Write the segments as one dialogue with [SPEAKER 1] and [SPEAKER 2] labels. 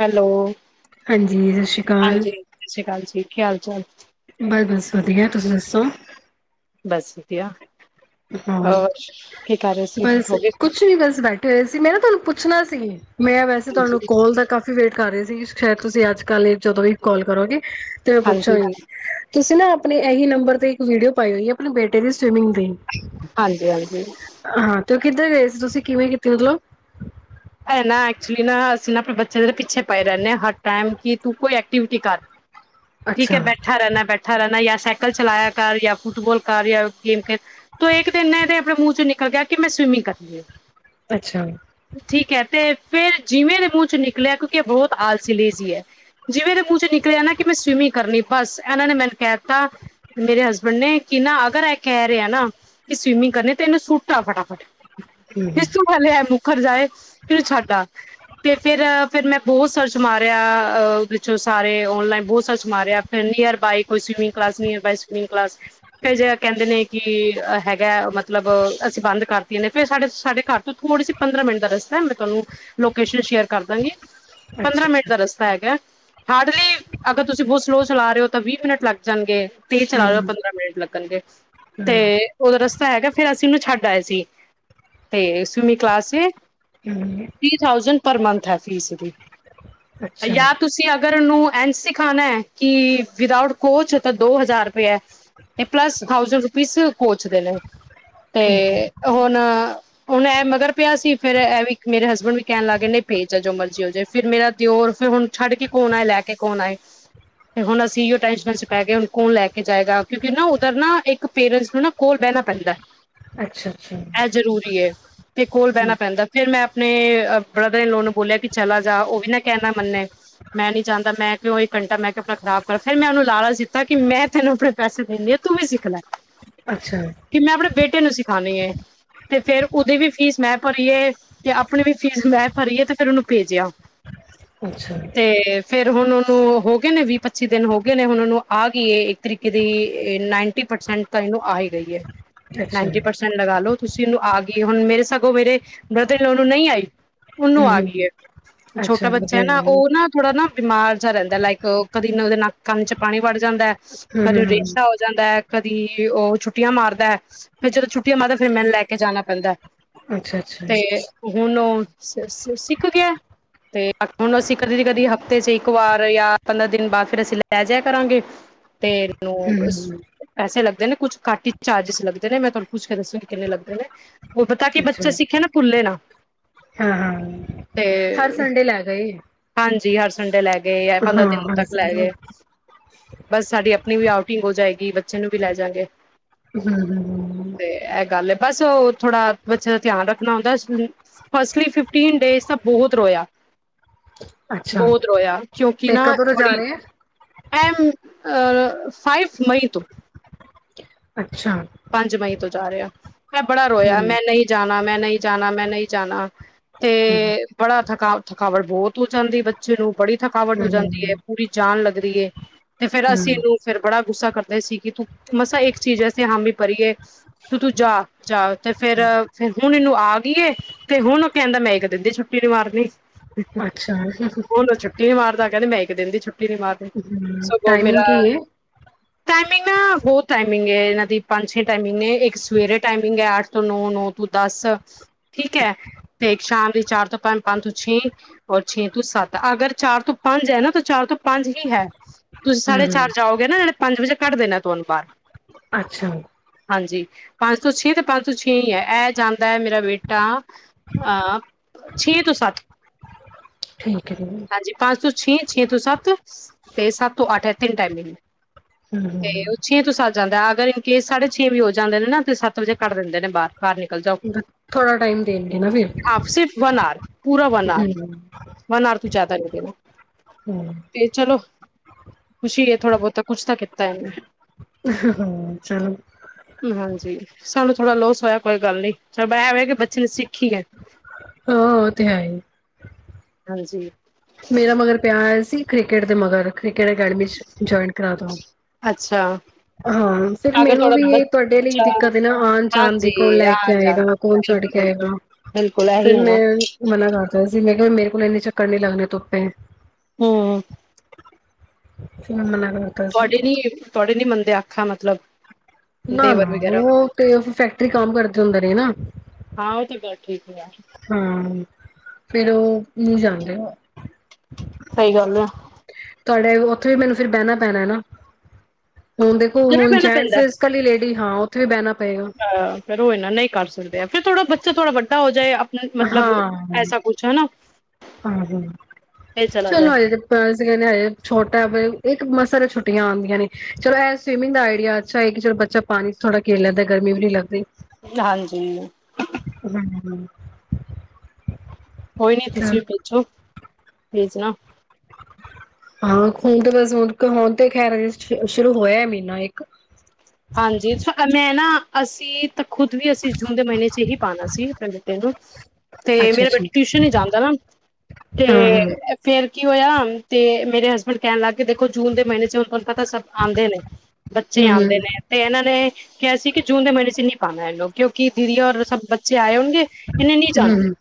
[SPEAKER 1] Hello
[SPEAKER 2] ਹਾਂਜੀ ਸਤਿ ਸ਼੍ਰੀ ਅਕਾਲ।
[SPEAKER 1] ਕਿ ਹਾਲ ਚਾਲ।
[SPEAKER 2] ਬਸ ਬਸ ਵਧੀਆ ਤੁਸੀਂ ਦੱਸੋ
[SPEAKER 1] ਬਸ ਵਧੀਆ
[SPEAKER 2] ਹੋਰ
[SPEAKER 1] ਕੀ ਕਰ ਰਹੇ ਸੀ,
[SPEAKER 2] ਬਸ
[SPEAKER 1] ਹੋ ਗਏ
[SPEAKER 2] ਕੁਛ ਵੀ ਬਸ ਬੈਠੇ ਹੋਏ ਸੀ, ਮੈਂ ਨਾ ਤੁਹਾਨੂੰ ਪੁੱਛਣਾ ਸੀ ਤੇ ਮੈਂ ਵੈਸੇ ਤੁਹਾਨੂੰ
[SPEAKER 1] ਹਾਂਜੀ,
[SPEAKER 2] ਕੋਲ ਦਾ ਕਾਫੀ ਵੇਟ ਕਰ ਰਹੀ ਸੀ। ਜ ਸ਼ਾਇਦ ਤੁਸੀਂ ਅੱਜ ਕੱਲ੍ਹ ਜਦੋਂ ਵੀ ਕਾਲ ਕਰੋਗੇ, ਤੇ ਉਹ
[SPEAKER 1] ਹਾਂਜੀ, ਹਾਂਜੀ।
[SPEAKER 2] ਪੁੱਛੋਗੀ ਤੁਸੀਂ ਨਾ ਆਪਣੇ ਇਹੀ ਨੰਬਰ ਤੇ ਇੱਕ ਵੀਡੀਓ ਪਾਇਓ ਜੀ ਆਪਣੇ ਬੇਟੇ ਦੀ ਸਵਿਮਿੰਗ ਦੀ
[SPEAKER 1] ਹਾਂਜੀ ਹਾਂਜੀ
[SPEAKER 2] ਹਾਂ, ਤੇ ਉਹ ਕਿੱਧਰ ਗਏ ਸੀ, ਤੁਸੀਂ ਕਿਵੇਂ ਕੀਤੀ ਮਤਲਬ
[SPEAKER 1] ਇਹ ਨਾ ਐਕਚੁਲੀ ਨਾ ਅਸੀਂ ਨਾ ਆਪਣੇ ਬੱਚਿਆ ਦੇ ਪਿੱਛੇ ਪਏ ਰਹਿੰਦੇ ਹ ਹਰ ਟਾਈਮ, ਕਿ ਤੂੰ ਕੋਈ ਐਕਟੀਵਿਟੀ ਕਰ। ਠੀਕ ਹੈ
[SPEAKER 2] ਅੱਛਾ,
[SPEAKER 1] ਬੈਠਾ ਰਹਿਣਾ, ਬੈਠਾ ਰਹਿਣਾ ਯ ਸਾਈਕਲ ਚਲਾਇਆ ਕਰ ਜਾਂ, ਫੁੱਟਬਾਲ ਕਰ ਜਾਂ, ਗੇਮ ਖੇਡ ਤੋ ਇੱਕ ਦਿਨ ਏਹਦੇ ਆਪਣੇ ਮੂੰਹ ਚੋਂ ਨਿਕਲ ਗਿਆ ਕਿ ਮੈਂ ਸਵੀਮਿੰਗ ਕਰਨੀ ਹੈ।
[SPEAKER 2] ਅੱਛਾ
[SPEAKER 1] ਠੀਕ ਹੈ ਤੇ ਫਿਰ ਜਿਵੇਂ ਦੇ ਮੂੰਹ ਚ ਨਿਕਲਿਆ ਕਿਉਂਕਿ ਇਹ ਬਹੁਤ ਆਲਸੀ ਲਿਜ਼ੀ ਹੈ। ਜਿਵੇਂ ਏਹਦੇ ਮੂੰਹ ਚ ਨਿਕਲਿਆ ਨਾ ਕਿ ਮੈਂ ਸਵੀਮਿੰਗ ਕਰਨੀ ਹੈ ਬਸ ਇਹਨਾਂ ਨੇ ਮੈਨੂੰ ਕਹਿ ਦਿੱਤਾ, ਮੇਰੇ ਹਸਬੈਂਡ ਨੇ ਕਿ ਨਾ ਅਗਰ ਇਹ ਕਹਿ ਰਿਹਾ ਨਾ ਕਿ ਸਵੀਮਿੰਗ ਕਰਨੀ ਤੇ ਇਹਨੂੰ ਸੁੂੱਟਾ ਫਟਾਫਟ। ਇਸ ਤੋਂ ਪਹਿਲਾਂ ਏਹ ਮੁਕਰ ਜਾਏ। ਫਿਰ ਛੱਡਆ। ਤੇ ਫਿਰ ਫਿਰ ਮੈਂ ਬਹੁਤ ਸਰਚ ਮਾਰਿਆ ਉਹਦੇ ਚੋਂ ਸਾਰੇ ਓਨਲਾਈਨ ਬਹੁਤ ਸਰਚ ਮਾਰਿਆ ਫਿਰ ਨੀਅਰ ਬਾਏ ਕੋਈ swimming class nearby swimming class ਫੇਰ ਜੇ ਕਹਿੰਦੇ ਨੇ ਕਿ ਹੈ ਮਤਲਬ ਅਸੀਂ ਬੰਦ ਕਰ ਨੇ ਫਿਰ ਸਾੇ ਸਾਡੇ ਘਰ ਤੋਂ ਥੋੜਾ ਸੀ ਪ ਪੰਦਰਾਂ ਮਿੰਟ ਦਾ ਰਸਤਾ ਮੈਂ ਤੁਹਾਨੂੰ ਲੋਕੇਸ਼ਨ ਸ਼ੇਅਰ ਕਰ ਦਾਂਗੀ
[SPEAKER 2] ਅੱਛਾ
[SPEAKER 1] ਪੰਦਰਾਂ ਮਿੰਟ
[SPEAKER 2] ਅੱਛਾ, ਹੂੰ,
[SPEAKER 1] ਦਾ ਰਸਤਾ ਹੈਗਾ ਹਾਰਡਲੀ ਅਗਰ ਤੁਸੀਂ ਬਹੁਤ ਸਲੋਅ ਚਲਾ ਰਹੇ ਹੋ ਤਾਂ ਵੀਹ ਮਿੰਟ ਲੱਗ ਜਾਣਗੇ ਤੇ ਚਲਾ ਰਿ ਪ
[SPEAKER 2] ਹੂੰ,
[SPEAKER 1] ਪੰਦਰਾਂ ਮਿੰਟ ਲਗਦਾ ਕਰਨਗੇ ਤੇ ਉਹਦਾ ਰਸ ਹੈਗਾ ਫੇਰ ਅਸੀਂ ਉਹਨੂੰ ਛੱਡ ਆਏ ਸੀ ਤੇ ਸਵੀਮੀ ਕਲਾਸ ਚ
[SPEAKER 2] ਹੂੰ,
[SPEAKER 1] ਥ੍ਰੀ ਥਾਊਜੈਂਡ ਪਰ ਮੰਥ ਹੈ ਫੀਸ ਦੀ
[SPEAKER 2] ਅੱਛਾ,
[SPEAKER 1] ਯਾਰ ਤੁਸੀਂ ਅ ਅਗਰਨੂੰ ਐਨ ਸਿਖਾਉਣਾ ਹੈ ਕਿ ਵਿਦਊਟ ਕੋਚ ਤਾਂ ਦੋ ਹਜ਼ਾਰ ਰੁਪਏ ਤੇ ਪਲੱਸ
[SPEAKER 2] ਅੱਛਾ,
[SPEAKER 1] ਥਾਊਸੈਂਡ ਰੁਪੀਜ਼ ਕੋਚਦੇ ਨੇ ਤੇ
[SPEAKER 2] ਠੀਕ ਹੈ,
[SPEAKER 1] ਹੁਣ ਹੁਣ ਇਹ ਮਗਰ ਪਿਆ ਸੀ ਫੇਰ ਇਹ ਵੀ ਮੇਰੇ ਹਸਬੈਂਡ ਵੀ ਕਹਿਣ ਲੱਗਏ ਨਹੀਂ ਪੇਜ ਆ ਜੋ ਮਰਜੀੀ ਹੋ ਜਾਏ ਫ਼ਿਰ ਮੇਰਾ ਦਿਓਰ ਫਿਰ ਹੁਣ ਛੱਡ ਕੇ ਕੌਣ ਆਏ ਲੈ ਕੇ ਕੌਣ ਆਏ ਤੇ ਹੁਣ ਅਸੀਂ ਇੋ ਟੈਸ਼ਨਾਂ ਚ ਪੈ ਗ ਹੁਣ ਕੌਣ ਲੈ ਕੇ ਜਾਏਗਾ ਕਿਉਂਕਿ ਨਾ ਉੱਧਰ ਨਾ ਇੱਕ ਪੇਰੈਂਟਸ ਨੂੰ ਨਾ ਕੋਲ ਬਹਿਣਾ ਪੈਂਦਾ
[SPEAKER 2] ਅੱਛਾ ਅੱਛਾ
[SPEAKER 1] ਇਹ ਜ਼ਰੂਰੀ ਏ ਤੇ ਕੋਲ
[SPEAKER 2] ਹੂੰ।
[SPEAKER 1] ਬਹਿਣਾ ਪੈਂਦਾ ਫਿਰ ਮੈਂ ਆਪਣੇ ਬ੍ਰਦਰ ਨੇ ਲੋਨ ਨੂੰ ਬੋਲਿਆ ਕਿ ਚਲਾ ਜਾ ਉਹ ਵੀ ਨਾ ਕਹਿਣਾ ਮੰਨੇ ਮੈਂ ਨੀ ਚਾਹਦਾ ਮੈਂ ਕਿਂਹੀ ਕੰਟਾ ਮੈਂ ਕਿ ਆਪਣਾ ਖ਼ਰਾਬ ਕਰ ਫੇਿਰ ਮੈਂ ਉਹਨੂੰ ਲਾਲਾ ਦਿੱਤਾ ਕਿ ਮੈਂ ਤੈਨੂੰ ਆਪਣੇ ਪੈਸੇ ਦਿੰਦੀ ਆ ਤੂੰ ਵੀ ਸਿੱਖ ਲੈ
[SPEAKER 2] ਅੱਛਾ
[SPEAKER 1] ਟੇ ਨੂੰ ਸਿਖਾਉਣੀ ਹੈ ਤੇ ਫੇਰ ਉਹਦੀ ਵੀ ਫੀਸ ਮੈਂ ਭਰੀਏ ਤੇ ਆਪਣੀ ਵੀ ਫੀਸ ਮੈਂ ਫਰੀਏ ਤੇ ਫਿਰ ਉਹਨੂੰ ਭੇਜਿਆ
[SPEAKER 2] ਅੱਛਾ,
[SPEAKER 1] ਤੇ ਫੇਿਰ ਹੁਣ ਉਹ ਹੋ ਗਏ ਨੇ ਵੀਹ ਪੱਚੀ ਦਿਨ ਹੋ ਗਏ ਨੇ ਹੁਣ ਨੂੰ ਆ ਗਈਏ ਤਰੀਕੇ ਦੀ ਨਾਈਨਟੀ ਪਰਸੈਂਟ ਤਾਂ ਇਹਨੂੰ ਆ ਹੀ ਗਈ
[SPEAKER 2] ਅੱਛਾ,
[SPEAKER 1] ਨਾਈਨਟੀ ਪਰਸੈਂਟ ਲਗਾ ਲੋ ਤੁਸੀਂਨੂੰ ਆ ਗਏ ਹੁਣ ਮੇਰੇ ਸਗੋਂ ਮੇਰੇ ਦਿਲੋਂ ਨੂੰ ਨਹੀਂ ਆਈ ਉਹਨੂੰ ਆ ਗਈ
[SPEAKER 2] ਹੂੰ-ਹੂੰ,
[SPEAKER 1] ਹੈ
[SPEAKER 2] ਅੱਛਾ
[SPEAKER 1] ਛੋਟਾ ਬੱਚਾ
[SPEAKER 2] ਵਧੀਆ
[SPEAKER 1] ਨਾ
[SPEAKER 2] ਗੱਲ ਏ।
[SPEAKER 1] ਉਹ ਨਾ ਥੋੜਾ ਨਾ ਬਿਮਾਰ ਰਹਿੰਦਾ ਲਾਈਕ ਕਦੀ ਨਾ ਉਹਦੇ ਨੱਕਾਂ ਚ ਪਾਣੀ ਵੜ ਜਾਂਦਾ
[SPEAKER 2] ਹੂੰ,
[SPEAKER 1] ਕਦੇੋਂ
[SPEAKER 2] ਹੂੰ,
[SPEAKER 1] ਰੇਸ਼ਾ ਹੋ ਜਾਂਦਾ ਹੈ ਕ ਦੀ ਉਹ ਛੁੱਟੀਆਂ ਮਾਰਦਾ ਫਰ ਜਦੋਂ ਛੁੱਟੀਆਂ ਮਾਰਦਾ ਫੇਿਰ ਮੈਨੂੰ ਲੈ ਕੇ ਜਾਣਾ ਪੈਂਦਾ
[SPEAKER 2] ਅੱਛਾ
[SPEAKER 1] ਤੇ ਹੁਣ ਉਹ ਸਿੱਖ ਗਿਆ ਤੇ ਹੁਣ ਅਸੀਂ ਕਦੀ ਦੀ ਕਦੀ ਹਫ਼ਤੇ ਚ ਇੱਕ ਵਾਰ ਜਾਂ ਪੰਦਰਾਂ ਦਿਨ ਬਾਅਦ ਫਿਰ ਅਸੀਂ ਲੈ ਜਾ ਕਰਾਂਗੇ ਤੇ ਨੂੰ
[SPEAKER 2] ਹੂੰ, ਹੂੰ,
[SPEAKER 1] ਪੈਸੇ ਲੱਗ ਦੇ ਨੇ ਕੁਛ ਘੱਟ ਹੀ ਚਾਰਜਿਸ ਲੱਗਦੇ ਨੇ ਮੈਂ ਤੁਹਾਨੂੰ ਪੁੱਛ ਕੇ ਦੱਸਾਂਗੀ ਕਿੰਨੇ ਲੱਗਦੇ ਨੇ। ਵੋ ਪਤਾ ਕੇ ਬੱਚਾ ਸਿੱਖੇ ਨਾ ਨਾ
[SPEAKER 2] ਹਾਂ ਹਾਂ, ਹਰ ਸੰਡੇ ਲੈ ਗਏ।
[SPEAKER 1] ਜੀ ਹਰਸੰਡੇ ਲੈਗ ਗਏ ਐ ਪੰਦਰਾਂ
[SPEAKER 2] ਹਾਂ
[SPEAKER 1] ਦਿਨ
[SPEAKER 2] ਹਰ
[SPEAKER 1] ਤੱਕ ਲੈ
[SPEAKER 2] ਸੰਡੇ,
[SPEAKER 1] ਗਏ। ਬਸ ਸਾਡੀ ਆਪਣੀ ਵੀ ਆਊਟਿੰਗ ਹੋ ਜਾਏਗੀ ਬੱਚੇ ਨੂੰ ਵੀ ਲੈ ਜਾਗੇ।
[SPEAKER 2] ਹਮ ਹਮ
[SPEAKER 1] ਤੇ
[SPEAKER 2] ਹਮ।
[SPEAKER 1] ਏਹ ਗੱਲ ਐ ਬਸ ਉਹ ਥੋੜਾ ਬਚੇ ਦਾ ਧਿਆਨ ਰੱਖ ਣਾ ਹੁੰਦੈ ਸਨੁ ਫਸਟਲੀ ਫਿਫਟੀਨ ਡੇਜ਼ ਤਾਂ ਬਹੁਤ ਰੋਯਾ।
[SPEAKER 2] ਅੱਛਾ
[SPEAKER 1] ਬੌਤ ਰੋਯਾ ਕਿਉਂਕਿ
[SPEAKER 2] ਤੇ
[SPEAKER 1] ਨਾ
[SPEAKER 2] ਕਦੋਂ ਤੋਂ ਜਾ
[SPEAKER 1] ਥੋੜੀ
[SPEAKER 2] ਰਹੇ ਆ?
[SPEAKER 1] ਐਮ ਫਾਈਵ ਮਈ ਤੋਂ।
[SPEAKER 2] ਅੱਛਾ,
[SPEAKER 1] ਪੰਜ ਮਏ। ਤੋ ਜਾ ਰਿਐ। ਐ ਬੜਾ ਰੋਯਾ
[SPEAKER 2] ਹੂੰ,
[SPEAKER 1] ਮੈਂ ਨਹੀਂ ਜਾਣਾ। ਮੈਂ ਨਹੀਂ ਜਾਣਾ ਮੈਂ ਨਹੀਂ ਜਾਣਾ। ਤੇ
[SPEAKER 2] ਹੂੰ, ਹੂੰ,
[SPEAKER 1] ਬੜਾ ਥਕਾ ਥਕਾਵਟ ਬਹੁਤ ਹੋ ਜਾਂਦੀ ਏ ਬੱਚੇ ਨੂੰ ਬੜੀ ਥਕਾਵਟ ਹੋ ਜਾਂਦੀ ਏ
[SPEAKER 2] ਹੂੰ,
[SPEAKER 1] ਪੂਰੀ ਜਾਨ ਲੱਗ ਦੀਏ। ਤੇ ਫੇਰ ਅਸੀਂ
[SPEAKER 2] ਹੂੰ।
[SPEAKER 1] ਏਹਨੂੰ ਫੇਰ ਬੜਾ ਗੁੱਸਾ ਕਰਦੇ ਸੀ ਕਿ ਤੂੰ ਮਸਾ ਏਕ ਚੀਜ਼ ਅਸੀ ਹਾਮੀ ਪਰੀਏ ਤੁ ਤੂੰ ਜਾ ਜਾ ਤੇ ਫੇਰ ਫੇਰ ਹੁਣ ਇਹਨੂੰ ਆ ਗਈਏ ਤੇ ਹੁਣ ਕਹਿੰਦੈ ਮੈਂ ਇੱਕ ਦਿਨ ਦੀ ਛੁੱਟੀ ਨੀ ਮਾਰਨੀ।
[SPEAKER 2] ਅੱਛਾ।
[SPEAKER 1] ਹੁਣ ਉਹ ਛੁੱਟੀ ਨੀ ਮਾਰਦਾ, ਕੈੰਦੇ ਮੈਂ ਇੱਕ ਦਿਨ ਦੀ ਛੁੱਟੀ ਨੀ ਮਾਰਨੀ।
[SPEAKER 2] ਹਮ,
[SPEAKER 1] ਸਗੋਂ
[SPEAKER 2] ਟਾਈਮਿੰਗ ਕੀ
[SPEAKER 1] ਮੇਰਾ
[SPEAKER 2] ਏ
[SPEAKER 1] ਟਾਈਮਿੰਗ ਨਾ, ਬੌਤ ਟਾਈਮਿੰਗ ਹੈ ਇਹਨਾਂ ਦੀ। ਪੰਜ ਛੇ ਟਾਈਮਿੰਗ ਨੇ ਇੱਕ ਸਵੇਰੇ ਟਾਈਮਿੰਗ ਹੈ ਅੱਠ ਤੋਂ ਨੌ, ਨੋ ਤੁ ਦਸ ਠੀਕ ਹੈ, ਤੇ ਇੱਕ ਸ਼ਾਮ ਦੀ ਚਾਰ ਤੋਂ ਪੰਜ, ਪੰਜ ਤੋਂ ਛੇ ਔਰ ਛੇ ਤੁ ਸੱਤ ਅਗਰ ਚਾਰ ਤੋਂ ਪੰਜ ਹੈ ਨਾ ਤਾਂ ਚਾਰ ਤੋਂ ਪੰਜ ਹੀ ਹੈ। ਤੁਸੀਂ
[SPEAKER 2] ਹੂੰ,
[SPEAKER 1] ਸਾਢੇ ਚਾਰ
[SPEAKER 2] ਹੂੰ।
[SPEAKER 1] ਜਾਓਗੇ ਨਾ ਜੜੇ ਪੰਜ ਵਜੇ ਕੱਢ ਦੇਣੈ ਤੁਹਾਨੂੰ ਬਾਹਰ।
[SPEAKER 2] ਅੱਛਾ।
[SPEAKER 1] ਹਾਂਜੀ, ਪੰਜ ਤੋਂ ਛੇ ਤੇ ਪੰਜ ਤੋਂ ਛੇ ਈ ਹੈ ਐਹ ਜਾਂਦੈ ਮੇਰਾ ਬੇਟਾ ਅਹ ਛੇ ਤੋਂ ਸੱਤ।
[SPEAKER 2] ਠੀਕ ਹੈ ਜੀ।
[SPEAKER 1] ਹਾਂਜੀ ਪੰਜ ਤੋਂ ਛੇ ਛੇ ਤੋਂ ਸੱਤ ਤੇ ਸੱਤ ਤੋਂ ਅੱਠ ਐਹ ਤਿੰਨ ਟਾਈਮਿੰਗ ਨੇ।
[SPEAKER 2] ਹਮ ਹਮ ਹਮ‌।
[SPEAKER 1] ਛੇ ਤੋਂ ਸਾਤ ਜਾਂਦੈ ਅਗਰ ਇਨੁ ਕੇ ਸਾਢੇ ਛੇ ਵੀ ਹੋ ਜਾਂਦੇ ਨੇ ਨਾ ਤੇ ਸੱਤ ਵਜੇ ਕੱਢ ਦਿੰਦੇ ਨੇ ਬਾਰ। ਬਾਰ ਨਿਕਲ ਜਾਓ।
[SPEAKER 2] ਥੋੜ੍ਹਾ ਟਾਈਮ ਦੇਣ ਗੇ, ਨਾ ਫਿਰ
[SPEAKER 1] ਹਾਂ ਸਿਰਫ ਵਨ ਆਰ ਪੂਰਾ ਵਨ ਆਰ
[SPEAKER 2] ਹੂੰ,
[SPEAKER 1] ਵਨ ਆਰ ਤੂੰ ਚਜਆਦਾ ਨਈ ਦੇ ਰੇ
[SPEAKER 2] ਹੂੰ।
[SPEAKER 1] ਤੇ ਚਲੋ ਖੁਸ਼ੀ ਹੈ, ਥੋੜ੍ਹਾ ਬਹੁਤਾ ਕੁਛ ਤਾਂ ਕੀਤਾ ਐਣੇ
[SPEAKER 2] ਹਾਂ ਚਲੋ
[SPEAKER 1] ਹਾਂਜੀ ਸਾਨੂੰ ਥੋੜ੍ਹਾ ਲੋਸ ਹੋਇਆ, ਕੋਈ ਗੱਲ ਨੀ ਸਾਡਾ ਐ ਹੋ ਕਿ ਬੱਚੇ ਨੇ ਸਿੱਖੀ ਹੈ।
[SPEAKER 2] ਹਾਂ ਓ ਤੇ ਹੈ ਈ
[SPEAKER 1] ਹਾਂਜੀ
[SPEAKER 2] ਮੇਰਾ ਮਗਰ ਪਿਆ ਹੋਆ ਸੀ। ਕ੍ਰਿਕਟ ਦੇ ਮਗਰ ਕ੍ਰਿਕਟ ਅਕਡਮੀ ਚ ਜੁਇਨ ਕਰਾ ਦੋ,
[SPEAKER 1] ਅੱਛਾ
[SPEAKER 2] ਹਾਂ ਫਿਰ
[SPEAKER 1] ਅਗਰ
[SPEAKER 2] ਮੈਨੂੰ
[SPEAKER 1] ਥੋੜਾ
[SPEAKER 2] ਵੀ ਇਹ ਤੁਹਾਡੇ ਲਈ
[SPEAKER 1] ਬੱਚਾ
[SPEAKER 2] ਦਿੱਕਤ ਨਾ ਆਉਣ ਜਾਣ ਦੀ ਕੌਣ
[SPEAKER 1] ਹਾਂਜੀ
[SPEAKER 2] ਲੈ
[SPEAKER 1] ਆ
[SPEAKER 2] ਕੇ ਆਏਗਾ
[SPEAKER 1] ਜਾਂਦਾ
[SPEAKER 2] ਕੌਣ ਛੱਡ
[SPEAKER 1] ਬਿਲਕੁਲ
[SPEAKER 2] ਕੇ
[SPEAKER 1] ਬਿਲਕੁਲ
[SPEAKER 2] ਆਏਗਾ।
[SPEAKER 1] ਬਿਲਕੁਲ ਇਹੀ
[SPEAKER 2] ਫਿਰ
[SPEAKER 1] ਹੈ ਨਾ
[SPEAKER 2] ਮੈਂ ਮਨਾ ਕਰ ਵੈਸੇ ਮੈਂ ਕਿਹਾ ਮੇਰੇ ਕੋਲ ਐਣੇ ਚੱਕਰ ਨਈ ਲੱਗਣੇ ਤੋਪ ਹੈ
[SPEAKER 1] ਹਮ।
[SPEAKER 2] ਕਿ ਮੈਂ ਕਰਤਾ ਸੀ
[SPEAKER 1] ਤੁਹਾਡੇ ਨੀ ਤੁਹਾਡੇ ਨੀ ਮੰਦਿਆ ਅੱਛਾ ਮਤਲਬ
[SPEAKER 2] ਨਾ,
[SPEAKER 1] ਦੇਵਰ
[SPEAKER 2] ਨਾ
[SPEAKER 1] ਵਗੈਰਾ
[SPEAKER 2] ਉਹ ਤੇ ਫੈਕਟਰੀ ਕੰਮ ਕਰਦੇ ਹੁੰਦੇ ਨੇ ਨਾ
[SPEAKER 1] ਹਾਂ ਉਹ ਤਾਂ ਗੱਲ ਠੀਕ ਹੈ ਯਾਰ
[SPEAKER 2] ਹਾਂ। ਫਿਰ ਉਹ ਨਹੀਂ ਜਾਂਦੇ ਨਾ
[SPEAKER 1] ਸਹੀ ਗੱਲ ਆ
[SPEAKER 2] ਤੁਹਾਡੇ ਉੱਥੇ ਵੀ ਮੈਨੂੰ ਫਿਰ ਬਹਿਣਾ ਪੈਣਾ ਹੈ ਨਾ ਹੁਣ ਦੇਖੋ
[SPEAKER 1] ਚਲੋ
[SPEAKER 2] ਹੁਣ ਜੈੈਂਟਸ ਇਸ ਕਾਲ ਲੈਟ ਬਈ ਹਾਂ ਉੱਥੇ ਵੀ ਬੈਨਾ
[SPEAKER 1] ਅਹ ਫੇਿਰ ਉਹ ਇਨਾ ਨਹੀਂ ਕਰ ਸਕਦੇ, ਆ ਫੇਰ ਥੋੜਾ ਬੱਚ ਫੇਰ ਥੋੜਾ ਵੱਡਾ ਹੋ ਜਾਏ ਆਪ
[SPEAKER 2] ਹਾਂ, ਹਾਂ
[SPEAKER 1] ਫੇਰ ਚਲਾ ਜਾਏ
[SPEAKER 2] ਚਲੋ ਅਸੀਂ ਕਹਿਣੇ ਹਜੇ ਛੋਟਾ ਇਕ ਮਸਾ ਤੇ ਛੁੱਟੀ ਆਉਂਆਂ ਨੇ ਚਲੋ ਇਹ ਸਵਿਮਿੰਗ ਦਾ ਆਈਆ ਅੱਛਾ ਹੈ, ਕਿ ਚਲੋ ਬੱਚਾ ਪਾਣੀ ਥੋੜਾ ਕੇੇ ਲੈਂਦਾ ਗਰਮੀ ਵੀ ਨਹੀਂ ਲੱਗਦੀ
[SPEAKER 1] ਹਾਂਜੀ।
[SPEAKER 2] ਹਮ
[SPEAKER 1] ਕੋਈ ਨੀ ਤੁਸੀਂ
[SPEAKER 2] ਚਲ
[SPEAKER 1] ਭੇਜੋ ਭੇਜਣਾ
[SPEAKER 2] ਹਾਂ ਖੂਦ ਵਸੂੰਦ ਹੁਣ ਤੇ ਖੈਰਜ ਸ਼ੁਰੂ ਹੋਇਆ ਮਹੀਨਾ ਇੱਕ
[SPEAKER 1] ਹਾਂਜੀ ਮੈਂ ਨਾ ਅਸੀਂ ਤਾਂ ਖੁਦ ਵੀ ਅਸੀਂ ਜੂਨ ਦੇ ਮਹੀਨੇ ਚ ਹੀ ਪਾਉਣਾ ਸੀ ਆਪਣੇ ਬੇਟੇ ਨੂੰ ਤੇ
[SPEAKER 2] ਅੱਛਾ
[SPEAKER 1] ਮੇਰਾ
[SPEAKER 2] ਅੱਛਾ
[SPEAKER 1] ਬੇਟਾ ਟਿਊਸ਼ਨ ਹੀ ਜਾਂਦਾ ਨਾ ਤੇ
[SPEAKER 2] ਹਾਂ ਹਾਂ
[SPEAKER 1] ਫੇਿਰ ਕੀ ਹੋਇਆ ਤੇ ਮੇਰੇ ਹਸਬੈਂਡ ਕਹਿਣ ਲੱਗ ਕਿ ਦੇਖੋ ਜੂਨ ਦੇ ਮਹੀਨੇ ਚ ਹੁਣ ਤੁਹਾਨੂੰ ਪਤਾ ਸਭ ਆਉਂਦੇ ਨੇ ਬੱਚੇ
[SPEAKER 2] ਹਮ
[SPEAKER 1] ਆਉਂਦੇ ਨੇ ਇਹਨਾਂ ਨੇ ਕਿਹਾ ਸੀ ਕਿ ਜੂਨ ਦੇ ਮਹੀਨੇ ਚ ਨਹੀਂ ਪਾਉਣਾ ਇਹਨੂੰ ਕਿਉਂਕਿ ਦੀਦੀ ਔਰ ਸਭ ਬੱਚੇ ਆਏ ਹੋਏ ਇਹਨੇ ਨਹੀਂ ਜਾਣਾ
[SPEAKER 2] ਹਮ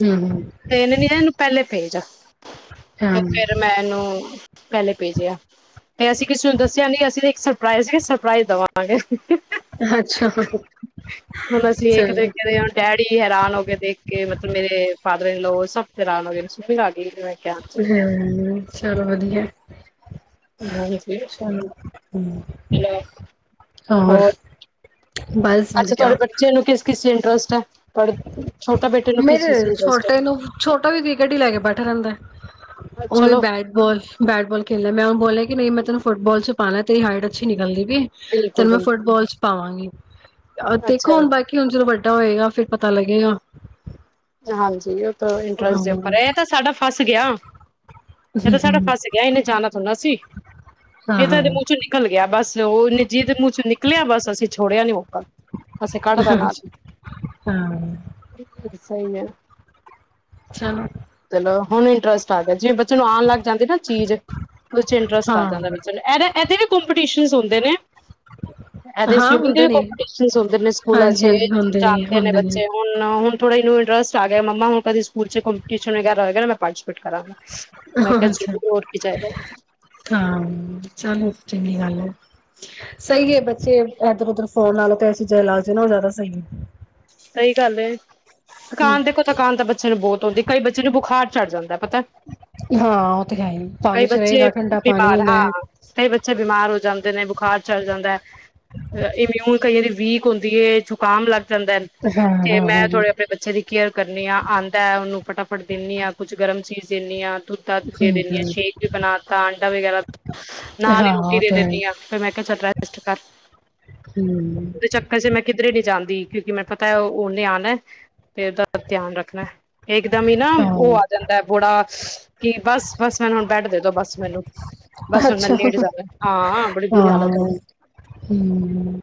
[SPEAKER 2] ਹਮ
[SPEAKER 1] ਤੇ ਇਹਨੂੰ ਪਹਿਲੇ ਭੇਜ ਆ ਤੇ
[SPEAKER 2] ਹਮ
[SPEAKER 1] ਫਿਰ ਮੈਂ ਇਹਨੂੰ ਪਹਿਲੇ ਭੇਜਿਆ ਤੇ ਅਸੀਂ ਕਿਸੇ ਨੂੰ ਦੱਸਿਆ ਨਹੀਂ ਅਸੀਂ ਇੱਕ ਨਾ ਸਰਪ੍ਰਾਈਜ਼ ਪ੍ਰਾਈਜ਼ ਦੇਵਾਂਗੇ ਹਾ ਹਾ
[SPEAKER 2] ਹਾਂ ਅੱਛਾ
[SPEAKER 1] ਹੁਣ ਅਸੀਂ ਦੇਖ ਦੇਖ
[SPEAKER 2] ਚਲੋ
[SPEAKER 1] ਰਹੇ ਹਾਂ ਡੈਡੀ ਵੀ ਹੈਰਾਨ ਹੋ ਗਏ ਦੇਖ ਕੇ ਮਤਲਬ ਮੇਰੇ ਫਾਦਰ ਇਨ ਲਓ ਸਭ ਹੈਰਾਨ ਹੋ ਗਏ [unintelligible]
[SPEAKER 2] ਹਮ ਚਲੋ ਵਧੀਆ
[SPEAKER 1] ਹਾਂਜੀ
[SPEAKER 2] ਚਲੋ
[SPEAKER 1] ਹੈਲੋ ਹੋਰ
[SPEAKER 2] ਬਸ
[SPEAKER 1] ਅੱਛਾ ਤੁਹਾਡੇ
[SPEAKER 2] ਵਧੀਆ
[SPEAKER 1] ਬੱਚੇ ਨੂੰ ਕਿਸ ਕਿਸ ਚ ਟ੍ਸਟ ਹੈ ਪੜ੍ਹ
[SPEAKER 2] ਮੇਰੇ ਛੋਟੇ ਨੂੰ ਛੋਟਾ ਵੀ ਕੀ ਗੱਡੀ ਲੈ ਕੇ ਬੈਠਾ ਰਹਿੰਦਾ ਉਹੀ
[SPEAKER 1] ਚਲੋ
[SPEAKER 2] ਬੈਟ ਬੋਲ, ਬੈਟ ਬੋਲ ਖੇਲੇ ਮੈਂ ਉਹ ਬੋਲੇ ਕਿ ਨਹੀਂ ਮੈਂ ਤੈਨੂੰ ਫੁੱਟਬਾਲ ਚ ਪਾਉਣਾ ਤੇਰੀ ਹਾਈਟ ਅੱਛੀ ਨਿਕਲਦੀ
[SPEAKER 1] ਬਿਲਕੁਲ
[SPEAKER 2] ਤੈਨੂੰ ਮੈਂ
[SPEAKER 1] ਬਿਲਕੁਲ
[SPEAKER 2] ਫੁੱਟਬਾਲ ਚ ਹੀ ਪਾਵਾਂਗੀ ਹ ਦੇਖੋ
[SPEAKER 1] ਅੱਛਾ
[SPEAKER 2] ਹੁਣ ਬਾਕੀ ਹੁਣ ਜਦੋਂ ਵੱਡਾ ਹੋਏਗਾ ਫ਼ਿਰ ਪਤਾ ਲੱਗੇਗਾ
[SPEAKER 1] ਹਾਂਜੀ ਓ ਇੰਟਰਸਟ ਦੇ
[SPEAKER 2] ਹਾਂ
[SPEAKER 1] ਉਪਰ ਹੈ ਇਹ ਤਾਂ ਸਾਡਾ ਫਸ ਗਿਆ ਏਹ ਤਾਂ ਸਾਡਾ ਫਸ ਗਿਆ ਇਹਨੇ ਜਾਣਾ ਥੋੜ੍ਹਾ ਨਾ ਸੀ ਇਹ ਤਾਂ
[SPEAKER 2] ਹਾਂ
[SPEAKER 1] ਇਹਦੇ ਮੂੰਹ ਚੋਂ ਨਿਕਲ ਗਿਆ ਬਸ ਉਹ ਨਿੱਜੀ ਦੇ ਮੂੰਹ ਚੋਂ ਨਿਕਲਿਆ ਬਸ ਅਸੀਂ ਛੋੜਿਆ ਨੀ ਉਹ ਅਸੀਂ ਕੱਢ ਤਾ
[SPEAKER 2] ਹਾਂ
[SPEAKER 1] ਨਾਲ
[SPEAKER 2] ਹਾਂ
[SPEAKER 1] ਹੀ ਸਹੀ ਹੈ
[SPEAKER 2] ਚਲੋ
[SPEAKER 1] ਚਲੋ ਹੁਣ ਇੰਟਰਸਟ ਆ ਗਿਆ ਜਿਵੇਂ ਬ ਬੱਚੇ ਨੂੰ ਆਉਣ ਲੱਗ ਜਾਂਦੀ ਨਾ ਚੀਜ਼ ਬੱਚੇ ਨੂੰ ਇੰਟਰਸਟ ਆ
[SPEAKER 2] ਹਾਂ
[SPEAKER 1] ਜਾਂਦਾ ਬੱਚੇ ਨੂੰ ਇਹਦੇ ਇਹਦੇ ਵੀ ਕੋਂਪੀਟੀਸ਼ਨ ਹੁੰਦੇ ਨੇ ਇਹਦੇ
[SPEAKER 2] ਹਾਂ
[SPEAKER 1] ਸਵਿਮਿੰਗ ਦੇ
[SPEAKER 2] ਹੁੰਦੇ
[SPEAKER 1] ਵੀ
[SPEAKER 2] ਨੇ
[SPEAKER 1] ਕੌਂਪੀਟੀਸ਼ਨ ਨੇ ਸਕੂਲਾਂ
[SPEAKER 2] ਹਾਂਜੀ
[SPEAKER 1] ਚ
[SPEAKER 2] ਹਾਂਜੀ ਹੁੰਦੇ
[SPEAKER 1] ਜਾਂਦੇ ਨੇ
[SPEAKER 2] ਹੁੰਦੇ
[SPEAKER 1] ਬੱਚੇ ਹੁਣ ਹੁਣ ਥੋੜਾ ਇਹਨੂੰ ਇੰਟਰਸਟ ਆ ਗਿਆ ਮੰਮਾ ਹੁਣ ਕਦੀ ਸਕੂਲ ਚ ਕੰਪਟੀਸ਼ਨ ਵਗੈਰਾ ਹੋਏਗਾ ਨਾ ਮੈਂ ਪਾਰਟੀਸਪੇਟ ਕਰਾਂਗਾ
[SPEAKER 2] ਹਾ
[SPEAKER 1] ਮੈਂ
[SPEAKER 2] ਹਾ
[SPEAKER 1] ਕਿਹਾ
[SPEAKER 2] ਅੱਛਾ
[SPEAKER 1] ਜ਼ਰੂਰ ਹੋਰ ਕੀ ਚਾਹੀਦਾ
[SPEAKER 2] ਹ ਚਲੋ ਚੰਗੀ ਗੱਲ ਹੈ ਸਹੀ ਹੈ ਬੱਚੇ ਇਦਰ ਉਧਰ ਫੋਨ ਨਾਲੋ ਤੇ ਐਸੀ ਚੀਜਾਂ ਲਾ ਕੇ ਨਾ ਜ਼ਿਆਦਾ ਸਹੀ ਹੁੰਦੀਆ।
[SPEAKER 1] ਸਹੀ ਗੱਲ ਏ ਥਕਾਨ ਦੇਖੋ ਥਕਾਨ ਤਾਂ ਬੱਚੇ ਨੂੰ ਬਹੁਤ ਆਉਂਦੀ ਕਈ ਬੱਚੇ ਨੂੰ ਬੁਖਾਰ ਚੜ੍ਹ ਜਾਂਦਾ ਪਤਾ
[SPEAKER 2] ਹਾਂ ਉਹ ਤੇ ਹੈ ਹੀ
[SPEAKER 1] ਕਈ
[SPEAKER 2] ਪਾਣੀ ਚ
[SPEAKER 1] ਬੱਚੇ
[SPEAKER 2] ਰਹੇਗਾ ਠੰਡਾ ਪਾਣੀ
[SPEAKER 1] ਬਿਮਾਰ
[SPEAKER 2] ਹੁੰਦਾ
[SPEAKER 1] ਹਾਂ
[SPEAKER 2] ਹੈ।
[SPEAKER 1] ਕਈ ਬੱਚੇ ਬਿਮਾਰ ਹੋ ਜਾਂਣ ਨੇ ਬੁਖਾਰ ਛੱਡ ਜਾਂਦਾ ਇ ਹੁਨ ਕਈਆਂ ਦੀ ਵੀਕ ਹੁੰਦੀ ਹੈ ਜੁਕਾਮ ਲੱਗ ਜਾਂਦਾ
[SPEAKER 2] ਹਾਂ ਹਾਂ
[SPEAKER 1] ਤੇ ਮੈਂ
[SPEAKER 2] ਹਾਂ ਹਮ
[SPEAKER 1] ਥੋੜੇ ਆਪਣੇ ਬੱਚੇ ਦੀ ਕੇਅਰ ਕਰਨੀ ਹਾਂ ਆਉਂਦਾ ਹੈ ਉਹਨੂੰ ਫਟਾਫਟ ਦਿੰਦੀ ਹਾਂ ਕੁਛ ਗਰਮ ਚੀਜ਼ ਦਿੰਦੀ ਹਾਂ। ਦੁੱਧ ਦਾਧ ਦੇ ਦਨੀ ਹਾਂ
[SPEAKER 2] ਹਮ
[SPEAKER 1] ਸ਼ੇਕ ਵੀ ਬਣਾ ਤਾਾ ਆਂਡਾ ਵਗੈਰਾ ਨਾਲ ਹੀ
[SPEAKER 2] ਹਾਂ
[SPEAKER 1] ਰੋਟੀ
[SPEAKER 2] ਉਹ
[SPEAKER 1] ਦੇ
[SPEAKER 2] ਤੇ ਹੈ
[SPEAKER 1] ਦਿੰਦੀ ਹਾਂ ਫਿਰ ਮੈਂ ਕਿਹਾ ਚੱਲ ਰੈਸਟ ਕਰ। ਓਹਦੇ ਚੱਕਰ ਚ ਮੈਂ ਕਿਧਰੇ ਨੀ ਜਾਂਦੀ ਕਿਉਂਕਿ ਮੈਂ ਪਤਾ ਹੈ ਉਹ ਓਹਨੇ ਆਉਣਾ ਤੇ ਉਹਦਾ ਧਿਆਨ ਰੱਖਣਾ ਇੱਕਦਮ ਹੀ ਨਾ
[SPEAKER 2] ਹਮ
[SPEAKER 1] ਉਹ ਆ
[SPEAKER 2] ਹਾਂ
[SPEAKER 1] ਜਾਂਦਾ ਬੜਾ ਕਿ ਬਸ-ਬਸ ਮੈਨ ਹੁਣ ਬੇਡ ਦੇਦੋ ਬੱਸ ਮੈਨੂੰ ਬਸ ਹੁਣ ਮੈ
[SPEAKER 2] ਅੱਛਾ
[SPEAKER 1] ਲੇਟ ਜਾਦਾ ਹਾਂ ਬੜੀ ਬੁਰੀ
[SPEAKER 2] ਹਾਂ
[SPEAKER 1] ਹਾਲਤ ਹੋਣ
[SPEAKER 2] ਹਮ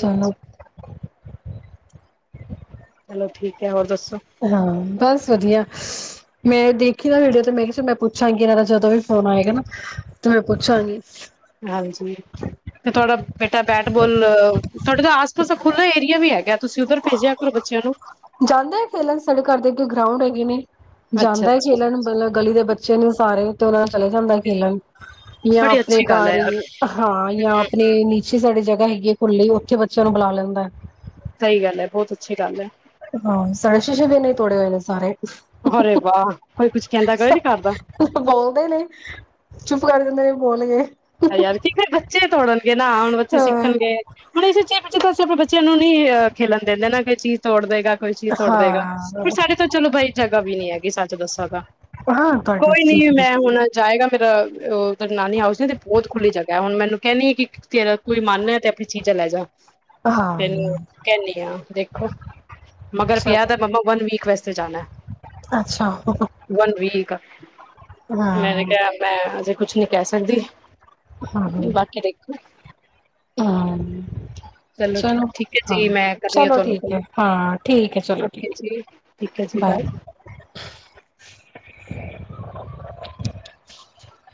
[SPEAKER 2] ਚਲੋ
[SPEAKER 1] ਚਲੋ ਠੀਕ ਕ ਹੋਰ ਦੱਸ
[SPEAKER 2] ਹਾਂ ਬਸ ਵਧੀਆ। ਮੈਂ ਦੇਖਿਆ ਤੁਹਾਡਾ ਤੇ ਮੈਂ ਕਿਹਾ ਮੈਂ ਪੁੱਛਾਂਗੀ ਇਹਨਾਂ ਦਾ ਜਦੋਂ ਵੀ ਫੋਨ ਆਏਗਾ ਨਾ ਤੇ ਮੈਂ ਪੁੱਛਾਂਗੀ।
[SPEAKER 1] ਹਾਂਜੀ ਤੇ ਤੁਹਾਡਾ ਬੇਟਾ ਬੈਟ ਬੋਲ ਤੁਹਾਡੇ ਤਾਂ ਆਸ ਪਾਸ ਖੁੱਲ੍ਹਲਾ ਏਰੀਆ ਵੀ ਹੈਗਾ। ਤੁਸੀਂ ਉੱਧਰ ਭੇਜਿਆ ਕਰੋ ਬੱਚਿਆਂ ਨੂੰ।
[SPEAKER 2] ਇੱਕ ਗਰਾਊਂਡ ਹੈਗੇ ਨੇ
[SPEAKER 1] ਅੱਛਾ
[SPEAKER 2] ਜਾਂਦਾ
[SPEAKER 1] ਅੱਛਾ
[SPEAKER 2] ਖੇਲਣ ਮਤਲਬ ਗਲੀ ਦੇ ਬੱਚੇ ਚਲੋ ਸਾਰੇ ਤਨਾਂ ਚਲੇ ਜਾਂਦਾ ਖੇਲਣ ਯਾ
[SPEAKER 1] ਬੜੀ
[SPEAKER 2] ਆਪਣੇ
[SPEAKER 1] ਅੱਛੀ ਗੱਲ
[SPEAKER 2] ਘਰ
[SPEAKER 1] ਹੈ ਯਾਰ
[SPEAKER 2] ਹਾਂ ਜਾਂ
[SPEAKER 1] ਹੂੰ,
[SPEAKER 2] ਆਪਣੇ ਨੀਚੇ ਸਾਡੇ ਜਾ ਹੈਗੀ ਏ ਖੁੱਲੀ ਉੱਥੇ ਬੱਚਿਆਂ ਨੂੰ ਬੁਲਾ ਲੈਂਦਾ ਹੈ।
[SPEAKER 1] ਸਹੀ ਗੱਲ ਹੈ ਬਹੁਤ ਅੱਛੀ ਗੱਲ ਹੈ।
[SPEAKER 2] ਹਾਂ ਸਾਡੇ ਸ਼ੀਸ਼ੇ ਵੀ ਇਨੇ ਤੋੜੇ ਹੋਏ ਨੇ ਸਾਰੇ
[SPEAKER 1] ਅਰੇ ਵਾਹ ਕੋਈ ਕੁੱਝ ਕਹਿੰਦਾ ਕਦੇ ਨੀ ਕਰਦਾ
[SPEAKER 2] ਬੋਲਦੇ ਨੇ, ਚੁੱਪ ਕਰ ਦਿੰਦੇ ਨੇ। ਬੋਲ ਗਏ
[SPEAKER 1] ਯਾਰ ਕੀ ਫੇਰ ਬੱਚੇ ਤੋੜਨਗੇ ਨਾ ਹੁਣ ਬੱਚੇ
[SPEAKER 2] ਹਾਂ
[SPEAKER 1] ਸਿੱਖਣਗੇ ਹੁਣ ਇਸ ਪਿੱਛੇ ਆਪਣੇ ਬੱਚੇ ਬੱਚਿਆਂ ਨੂੰ ਨਹੀਂੀ ਅ ਖੇਿਲਣ ਦਿੰਦੇ ਨਾ ਕੋਈ ਚੀਜ਼ ਤੋੜ ਦੇਵੇਗਾ। ਕੋਈ ਚੀਜ਼ ਤੋੜ ਦੇਗਾ ਵੀ
[SPEAKER 2] ਹਾਂ
[SPEAKER 1] ਸਾਡੇ ਤਾਂ ਚਲੋ ਬਾਈ ਜਗ੍ਹਾ ਵੀ ਨੀ ਹੈਗੀ ਸਾਡੀ [unintelligible]
[SPEAKER 2] ਹਾਂ ਤੁਹਾਡੇ
[SPEAKER 1] ਕੋਈ ਨਹੀਂ
[SPEAKER 2] ਠੀਕ
[SPEAKER 1] ਮੈਂ ਹੋਣਾ ਜਾਏਗਾ ਫੇਰ ਉਹ ਨਾਨੀ ਹਾਊਸ ਬਹੁਤ ਖੁੱਲੀ ਜਗ੍ਹਾ ਹੈ ਹੁਣ ਮੈਨੂੰ ਕਹਿਣੀ ਆ ਕਿ ਤੇਰਾ ਕੋਈ ਮਨ ਐ ਤੇ ਆਪਣੀ ਚੀਜ਼ਾਂ ਲੈ ਜਾਓ। ਤੈਨੂੰ
[SPEAKER 2] ਹਾਂ
[SPEAKER 1] ਕਹਿਣੀ ਆ ਦੇਖੋ ਮਗਰ
[SPEAKER 2] ਸਭ
[SPEAKER 1] ਪਿਆ ਦਾ ਮੰਮਾ ਵਨ ਵੀਕ ਵਸ ਚ ਜਾਣਾ
[SPEAKER 2] ਅੱਛਾ
[SPEAKER 1] ਵਨ ਵੀਕ। [inaudible] ਮੈਨੇ
[SPEAKER 2] ਹਾਂ
[SPEAKER 1] ਕਿਹਾ ਮੈਂ ਹਜੇ ਕੁਛ ਨੀ- ਕਹਿ ਸਕਦੀ-
[SPEAKER 2] ਹਾਂ ਹਾਂ।
[SPEAKER 1] ਬਾਕੀ ਦੇਖੋ
[SPEAKER 2] ਚਲੋ
[SPEAKER 1] ਠੀਕ ਹੈ
[SPEAKER 2] ਹਾਂ
[SPEAKER 1] ਜੀ ਮੈਂ ਕਰਨੀ ਆ
[SPEAKER 2] ਚਲੋ
[SPEAKER 1] ਤੁਹਾਨੂੰ
[SPEAKER 2] ਠੀਕ
[SPEAKER 1] ਕੋਲ
[SPEAKER 2] ਐ ਹਾਂ ਠੀਕ ਐ ਚਲੋ
[SPEAKER 1] ਓਕੇ
[SPEAKER 2] ਠੀਕ
[SPEAKER 1] ਜੀ, ਠੀਕ ਹੈ ਜੀ, ਬਾਏ।
[SPEAKER 2] ਬਾਏ। [unintelligible]